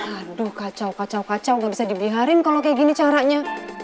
aduh kacau kacau kacau gak bisa dibiharin kalo kayak gini caranya